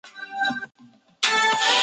与比利时卢森堡省省旗类似。